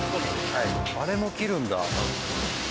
あれも切るんだガスで。